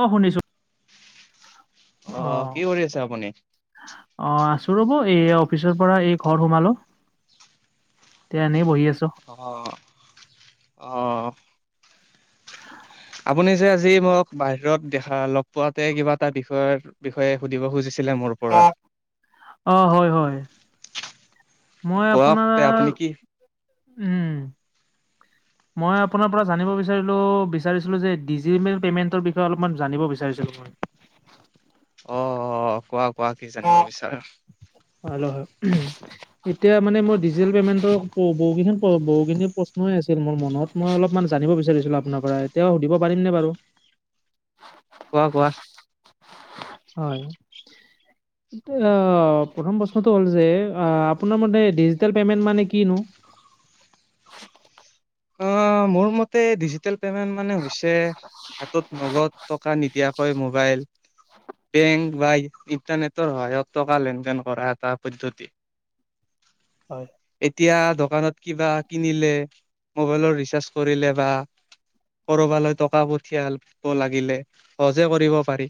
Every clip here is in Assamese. অ' শুনিছো। অ কি অ-অ, কৰি আছে আপুনি? ৰ'ব এই অফিচৰ পৰা এই ঘৰ সোমালো তেয়া এনেই বহি আচো। অহ-অহ আপুনি যে আজি মোক বাহিৰত দেখা লগ পোৱাতে কিবা এটা বিষয়ৰ বিষয়ে সুধিব খুজিছে। অহ হয়-হয়। মই কোৱাক তে আপুনি আপোনাৰ কি উম, মই আপোনাৰ পৰা জানিব বিচাৰিলো বিচাৰিছিলো যে ডিজিটেল পেমেন্টৰ বিষয়ে অলপমান জানিব বিচাৰিছিলো। [unintelligible] অ' কোৱা-কোৱা কি জানিব বিচাৰো। হয়-হয় এতিয়া মানে মই ডিজিল পেমেন্টৰ বেহু কেই খন বহু কেনি প্ৰশ্ন আ মোৰ মনত মই অলপমান জানিব বিচাৰিছিলো আপোনাৰ পৰা এতিয়া সুধিব পাৰিম নে বাৰু। কোৱা-কোৱা। হয়। প্ৰথম প্ৰশ্নটো হ'ল যে আপোনাৰ ম ডিজিটেল পেমেন্ট মানে কিনো? [unintelligible] অ মোৰ মতে ডিজিটেল পেমেণ্ট মানে হৈছে হাতত নগদ নিদিয়াকৈ মোবাইল। বেংক বা ইণ্টাৰনেটৰ সহায়ত টকা লেনদেন কৰা এটা পদ্ধতি। হয় এতিয়া দোকানত কিবা কিনিলে মোবাইলৰ ৰিচাৰ্জ কৰিলে বা কৰবালৈ টকা পঠিয়াল লাগিলে সহজে কৰিব পাৰি।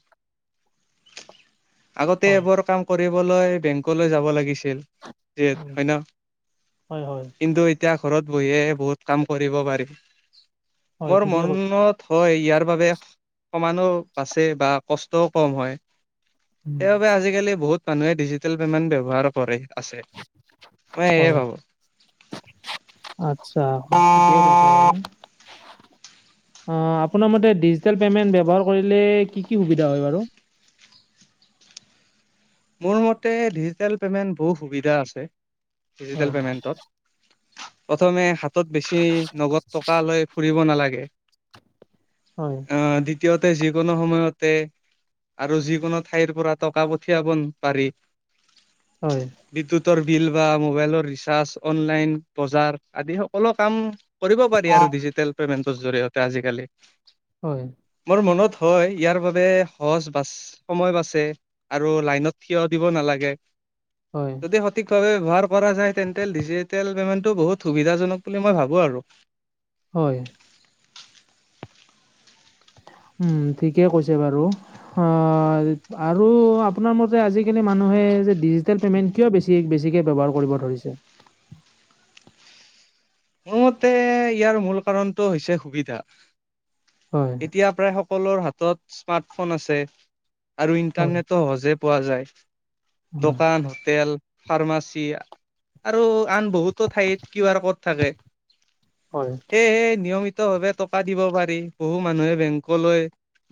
আগতে এইবোৰ হয় কাম কৰিবলৈ বেংকলৈ যাব লাগিছিল। হয় ন হয় হয় কিন্তু এতিয়া ঘৰত বহিয়ে বহুত কাম কৰিব পাৰি হয় মোৰ ঠিকে কৈছে মনত হয় ইয়াৰ বাবে সমানো বাচে বা কষ্টও কম হয়। উম, সেইবাবে আজিকালি বহুত মানুহে ডিজিটেল পেমেণ্ট ব্যৱহাৰ কৰে। আছে মই এয়ে হয় ভাবো। আচ্ছা ঠিকে কৈছে [unintelligible] অ আপোনাৰ মতে ডিজিটেল পেমেন্ট ব্যৱহাৰ কৰিলে কি কি সুবিধা হয় বাৰু? [unintelligible] মোৰ মতে ডিজিটেল পে'মেণ্ট বহুত সুবিধা আছে হয় ডিজিটেল পে'মেণ্টত প্ৰথমে হাতত বেছি নগদ টকা লৈ ফুৰিব নালাগে। হয়। আহ দ্বিতীয়তে যিকোনো সময়তে আৰু যিকোনো ঠাইৰ পৰা টকা পঠি য়াব পাৰি। হয়। ৰ বিল বা মোবাইলৰ ৰিচাৰ্জ অনলাইন বজাৰ আদি সকলো কাম কৰিব পাৰি আৰু ডিজিটেল পেমেন্টৰ জৰিয়তে আজিকালি। হয়। মোৰ মনত হয় ইয়াৰ বাবে সহজ বাচ সময় বাচছে আৰু লাইনত থিয় দিব নালাগে হয় যদি সঠিকভাৱে ব্যৱহাৰ কৰা যায় তেন্ত ডিজিটেল পে'মেণ্টটো বহুত সুবিধাজনক বুলি মই ভাবোঁ আৰু। হয়। [unintelligible] উম ঠিকে কৈছে বাৰু অ আৰু আপোনাৰ মতে আজিকালি মানুহে যে ডিজিটেল পেমেণ্ট কিয় বেছি বেছিকে ব্যৱহাৰ কৰিব ধৰিছে? [unintelligible] মোৰ মতে ইয়াৰ মূল কাৰণটো হৈছে সুবিধা। হয় এতিয়া প্ৰায় সকলো হাতত স্মাৰ্টফোন আছে। আৰু হয় ইণ্টাৰনেটো সহজে পোৱা যায় হয় দোকান হোটেল। ফাৰ্মাচী আৰু আন বহুতো ঠাইত কিউ আৰ ক'ড থাকে। হয় এ হে নিয়মিত ভাৱে টকা দিব পাৰি বহু মানুহে বেংকলৈ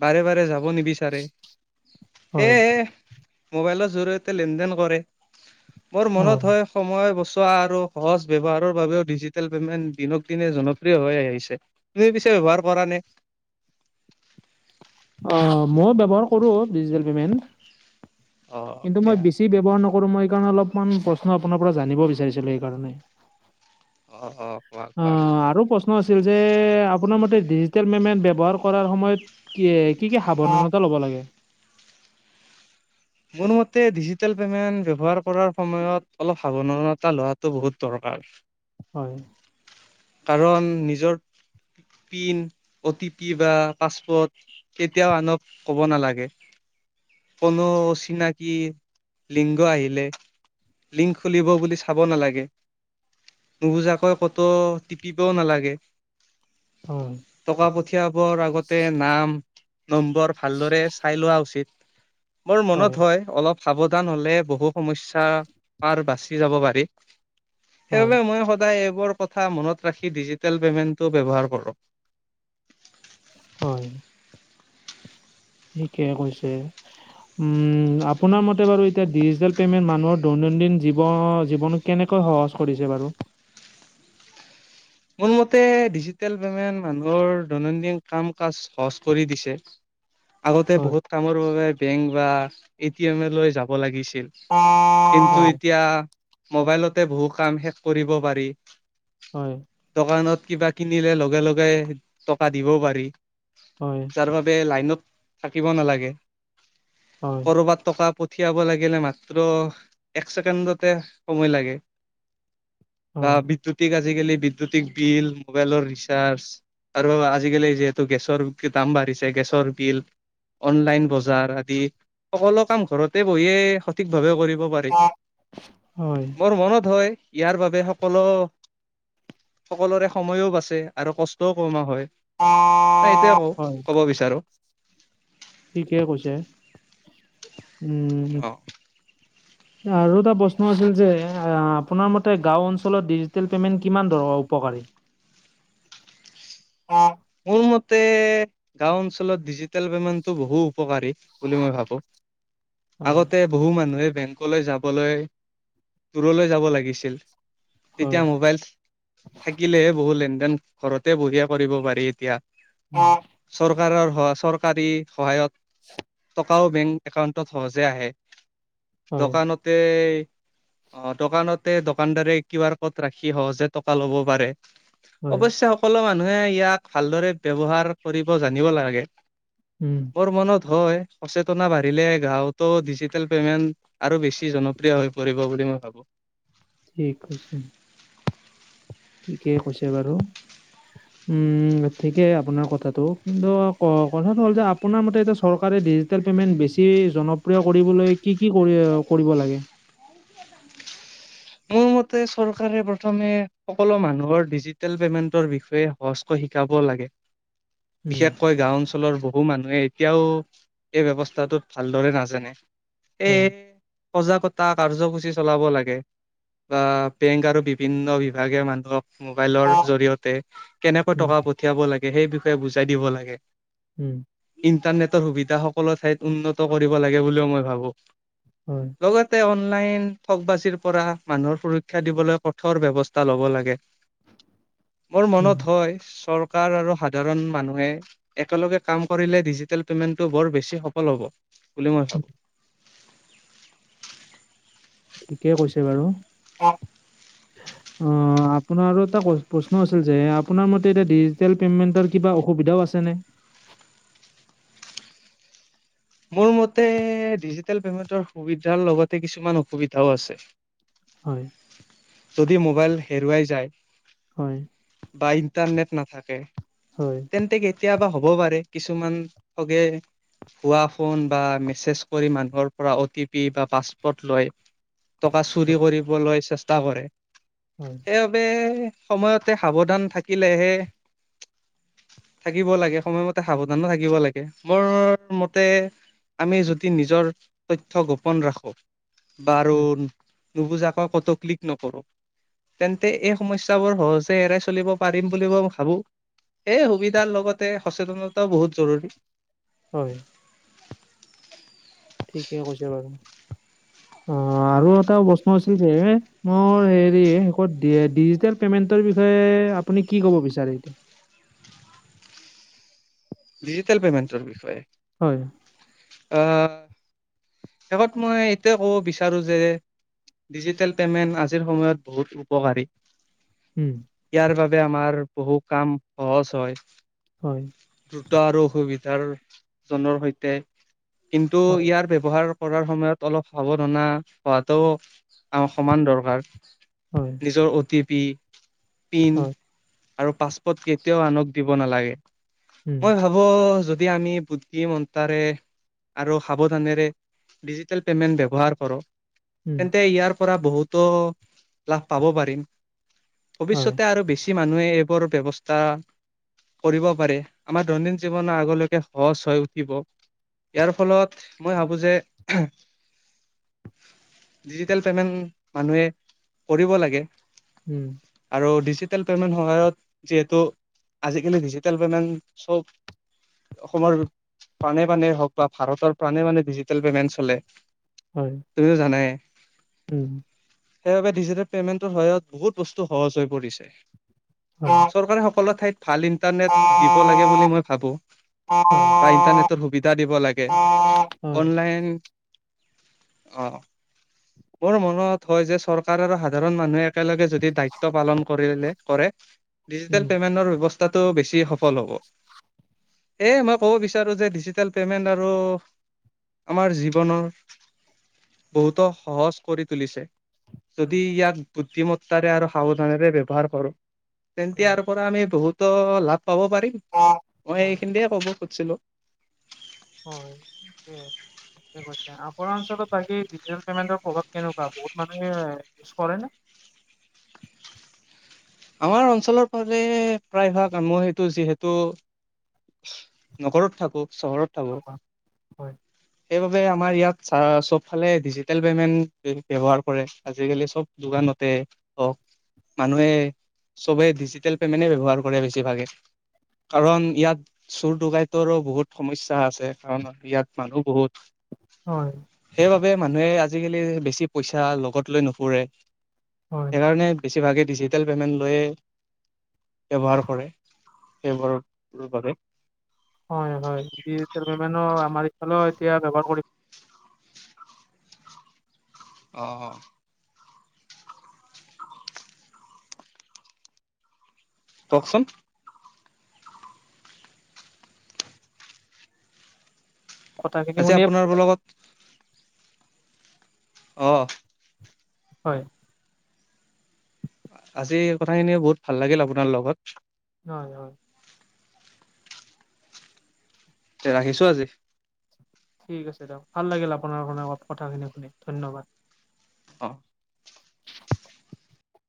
বাৰে বাৰে যাব। হ'ব নিবিচাৰে হয় সেয়ে মবাইলৰ জৰিয়তে লেন দেেন কৰে বৰ মনত হয় সময় বস্তু পোৱা আৰু সহজ ব্যৱহাৰৰ বাবেও ডিজিটেল পেমেণ্ট দক দিনে জনপ্ৰিয় হৈ আহিছে তুমি পিছে ব্যৱহাৰ কৰা নে? [unintelligible] অ মইয়ো ব্যৱহাৰ কৰো ডিজিটেল পেমেণ্ট। অ' কিন্তু মই দিয়া। বেছি ব্যৱহাৰ নকৰো। মই সকাৰণে অলপ প্ৰশ্ন আপোনাৰ পৰা জানিব বিচাৰিছিলো স কাৰণে। অ' অ' কোৱা অ কোৱা। আৰু প্ৰশ্ন আছিল যে আপোনাৰ মতে ডিজিটেল পেমেন্ট ব্যৱহাৰ কৰাৰ সময়ত কি কি কি সাৱধানতা ল'ব লাগে? [unintelligible] কোনোমতে ডিজিটেল পে'মেণ্ট ব্যৱহাৰ কৰাৰ সময়ত অলপ সাৱধানতা লোৱাটো বহুত দৰকাৰ হয়। কাৰণ নিজৰ পিন অ' টি পি বা পাছৱৰ্ড কেতিয়াও আনক ক'ব নালাগে কোনো অচিনাকি লিংগ আহিলে লিংক খুলিব বুলি চাব নালাগে নুবুজাকৈ কতো টিপিবও নালাগে হয়, টকা পঠিয়াবৰ আগতে নাম নম্বৰ ভালদৰে চাই লোৱা উচিত বৰ মনত হয়, হয় অলপ সাৱধান হলে বহু সমস্যাৰ পাৰ বাচি যাব পাৰি হয়, সেইবাবে মই সদায় কথা মনত ৰাখি ডিজিটেল পে'মেণ্টটো ব্যৱহাৰ কৰক হয়। ঠিকে কৈছে, উম আপোনাৰ মতে বাৰু এতিয়া ডিজিটেল পেমেন্ট মানুহৰ দৈনন্দিন জীৱন জীৱন কেনেকৈ সহজ কৰিছে বাৰু [unintelligible] মোৰ মতে ডিজিটেল পেমেন্ট মানুহৰ দৈনন্দিন কাম কাজ সহজ কৰি দিছে আগতে হয়। বহুত কামৰ বাবে বেংক বা এটিএম লৈ যাব লাগিছিল কিন্তু হয়, এতিয়া মোবাইলতে বহু কাম শেষ কৰিব পাৰি হয়। দানত কিবা কিনিলে লগে, লগে টকা দিবও পাৰি হয়, যাৰ বাবে লাইনত থাকিব নালাগে হয়, কৰবাত টকা পঠিয়াব লাগিলে মাত্ৰ এক ছেকেণ্ডতে সময় লাগে বা হয়, বিদ্যুৎক বিল আজিকালি বিদ্যুকতিক বিল মোবাইলৰ ৰিচাৰ্জ আৰু আজিকালি যিহেতু গেছৰ দাম বাঢ়িছে গেছৰ বিল অনলাইন বজাৰ আদি সকলো কাম ঘৰতে বহিয়ে সঠিকভাৱে কৰিব মোৰ হয়। মনত হয় ইয়াৰ বাবে সকলো সকলোৰে সময়ও বাচে আৰু কষ্টও কমোৱা হয়। এইটোয়ে কওঁ হয়, কব বিচাৰো ঠিকে কৈছে, উম, অ', আৰু এটা প্ৰশ্ন আছিল যে আপোনাৰ মতে গাঁও অঞ্চলত ডিজিটেল পেমেন্ট কিমান ধৰ কৰে [unintelligible] অ', মোৰ মতে গাঁও অঞ্চলত ডিজিটেল পেমেণ্টটো বহু উপকাৰী বুলি মই ভাবো আগতে বহু মানুহে বেংকলৈ যাবলৈ দূৰলৈ যাব লাগিছিল হয়, তেতিয়া মোবাইল থাকিলেহে বহুত লেন দেন ঘৰতে বঢ়িয়া কৰিব পাৰি এতিয়া অ', চৰকাৰৰ স চৰকাৰী সহায়ত [unintelligible] থকাও বেংক একাউণ্টত সহজে আহে হয়, দোকানতে অ', দোকানতে দোকানদাৰে কিউ আৰ ক'ড ৰাখি সহজে টকা ল'ব পাৰে হয়, অৱশ্যে সকলো মানুহে ইয়াক ভালদৰে ব্য্ৱহাৰ কৰিব জানিব লাগে উম, বোৰ মনত হয় সচেতনা বাঢ়িলে গাঁৱতো ডিজিটেল পেমেন্ট আৰু বেছি জনপ্ৰিয় হৈ পৰিব বুলি ক হব ঠিক আছে, ঠিকেই কৈছে বাৰু। উম ঠিকেই আপোনাৰ কথাটো কিন্তু কথাটো হ'ল যে আপোনাৰ মতে এতিয়া চৰকাৰে ডিজিটেল পেমেন্ট বেছি জনপ্ৰিয় কৰিবলৈ কি কি কৰিব লাগে? [unintelligible] মোৰ মতে চৰকাৰে প্ৰথমে সকলো মানুহৰ ডিজিটেল পেমেন্টৰ বিষয়ে সহজ ক শিকাব লাগে উম, বিশেষকৈ গাওঁ অন অঞ্চলৰ বহু মানুহে এতিয়াও এই ব্যৱস্থাটোত ভালদৰে নাজানে। এ হয়। সজাগতা কাৰ্য্যসূচী চলাব লাগে। বা বেংক আৰু বিভিন্ন বিভাগে মানুহক মোবাইলৰ জৰিয়তে কেনেকৈ উম, টকা পঠিয়াব লাগে সেই বিষয়ে বুজাই দিব লাগে। উম। উম ইণ্টাৰনেট সুবিধা সকলো ঠাই উন্নত কৰিব লাগে বোলিও মই ভাবো হয়, লগতে অন অনলাইন ঠগ বাচিৰ পৰা মানুহৰ সুৰক্ষা দিবলৈ কঠোৰ ব্যৱস্থা লব লাগে। মোৰ উম, মনত হয় চৰকাৰ। আৰু সাধাৰণ মানুহে একেলগে কাম কৰিলে ডিজিটেল পেমেন্টটো বৰ বেছি সফল হব। বুলি মই উম, ভাবো। ঠিকেই কৈছে বাৰু। উ [unintelligible] অ' আপোনাৰ এটা প্ৰশ্ন আছিল যে আপোনাৰ মতে এতিয়া ডিজিটেল পেমেণ্টৰ কিবা অসুবিধাও আছে। ানে [unintelligible] [unintelligible] মোৰ মতে ডিজিটেল পেমেণ্টৰ সুবিধাৰ লগতে কিছুমান অসুবিধাও আছে। হয়। যদি মোবাইল হেৰুৱাই যায়। হয়। বা ইণ্টাৰনেট নাথাকে হয়, তেন্তে। কেতিয়াবা হ'ব পাৰে কিছুমান সগে হোৱা ফোন বা মেছেজ কৰি মানুহৰ পৰা অ' টি পি বা পাছপৰ্ট লয়। টকা চুৰি হয়, কৰিবলৈ চেষ্টা কৰে হয়, সেইবাবে। সময়তে সাৱধান থাকিলেহে। থাকিব লাগে সময়মতে সাৱধানো থাকিব লাগে বৰ ম। তা আমি যদি নিজৰ তথ্য গোপন ৰাখো বাৰ। উম, নুবুজা ক কতো ক্লিক নকৰো। তেন্তে এই সমস্যয়াবোৰ সহজে এৰাই চলিব পাৰিম বুলি মই ভাবো। এই সুবিধাৰ লগতে সচেতনতাও বহুত জৰুৰী। হয়। ঠিকে কৈছ বাৰু। অ' আৰু এটা প্ৰশ্ন হৈছিল যে মোৰ হেৰি শষ ডিজিল পেমেট বিষয়ে আপুনি কি কব বিচাৰে এতিয়া। ডিজিটেল পেমেণ্টৰ বিষয়ে হয়। অহ শেষত মই এইটয়ে ক'ব বিচাৰো যে ডিজিটেল পে'মেণ্ট আজিৰ সময়ত বহুত উপকাৰী। উম, ইয়াৰ বাবে আমাৰ বহু কাম সহজ হয়। হয়। দ্ৰুত আৰু অসুবিধাৰ জনৰ সৈতে কিন্তু হয়, ইয়াৰ ব্যয়ৱহাৰ। কৰাৰ সময়ত অলপ সাৱধানা হোৱাতও সমান দৰকাৰ। হয়, নিজৰ অ' টি পি, পিন হয়, আৰু পাচপত কেতিয়াও আনক দিব নালাগে উম, মই ভাবো য। যদি আমি বুদ্ধি মন্তাৰে। আৰু সাৱধানেৰে ডিজিটেল পেমেণ্ট ব্যৱহাৰ কৰোঁ। উম, তেন্তে ইয়াৰ পৰা বহুতো লাভ পাব পাৰিম। হয়, ভৱিষ্যতে আৰু বেছি মানুহে এইবোৰ ব্যৱস্থা কৰিব পাৰে। আমাৰ দৈনিন জীৱনৰ আগলৈকে সহজ হৈ উঠিব। ইয়াৰ ফলত মই ভাবো যে। ডিজিটেল পেমেণ্ট মানুহে কৰিব লাগে। উম, আৰু ডিজিটেল পেমেণ্ট সহায়ত যিহেতু আজিকালি ডিজিটেল পেমেণ্ট চব। অসমৰ প্ৰাণে প্ৰাণেই হওক বা ভাৰতৰ প্ৰাণে প্ৰাণে ডিজিটেল পেমেন্ট চলে। হয়, তুমিয়ো জানাই। উম, সেইবাবে ডিজিটেল পেমেণ্টৰ সহায়ত বহুত বস্তু সহজ হৈ পৰিছে। হয়। চৰকাৰে সকলো ঠাইত ভাল ইণ্টাৰনেট দিব লাগে বুলি মই ভাবোঁ। বা ইণ্টাৰনেটৰ সুবিধা দিব লাগে হয়, অনলাইন আহঁ। মোৰ মনত হয় যে চৰকাৰ আৰু সাধাৰণ মানুহে একেলগে যদি দায়িত্ব পালন কৰিলে কৰে। ডিজিটেল উম, পে'মেণ্টৰ ব্যৱস্থাটো বেছি সফল হ'ব। এ মই ক'ব বিচাৰো যে ডিজিটেল পেমেন্ট আৰু আমাৰ জীৱনৰ বহুতো সহজ কৰি তুলিছে। যদি উম, ইয়াক বুদ্ধিমত্তাৰে আৰু সাৱধানেৰে ব্যৱহাৰ কৰোঁ। তেন্ত হয়, ইয়াৰ পৰা আমি বহুতো লাভ পাব পাৰিম মই হয়, এইখিনিয়ে কব খুজিছিলোঁ। হয় সেইয়াই। কৈছে আপোনাৰ অঞ্চলত বাকী ডিজি পেমেন্টৰ প্ৰভ কেনেকুৱা বহুত মানুহে ইউজ কৰে নে? [unintelligible] আমাৰ অঞ্চলৰ ফালে প্ৰায়ভাগ আমহ সেইটো যিহেতু নগৰত থাকো চহৰত থাকো হয়। সেইবাবে আমাৰ ইয়াত চ চব ফালে ডিজিটেল পেমেন্ট ব্যৱহাৰ কৰে আজিকালি চব দোকান। মতে হওক মানুহে চবে ডিজিটেল পেমেণ্টেই ব্যৱহাৰ কৰে বেছিভাগে। কাৰণ ইয়াত চোৰ ডোকাইতৰো বহুত সমস্যা আছে কাৰণ ইয়াত মানুহ বহুত। হয়। সেইবাবে মানুহে আজিকালি বেছি পইচা লগত লৈ নুফুৰে। হয়। সেইকাৰণে বেছিভাগে ডিজিটেল পেমেণ্ট লৈ ব্যৱহাৰ কৰে ব্যৱহাৰৰ বাবে। হয় হয় ডিজিেল পেমেণ্টৰ আমাৰ ইফালে এতিয়া ব্যৱহাৰ কৰি আহ। কওকচোন- কথাখিনি আজি শুনিয়ে আপোনাৰ লগত অ। হয়। আজি কথাখিনি বহুত ভাল লাগিল আপোনাৰ লগত। হয় হয়। এ ৰাখিছো আজি। ঠিক আছে দিয়ক ভাল লাগিল আপোনাৰ কাৰে অলপ কথাখিনি শুনি ধন্যবাদ। অ।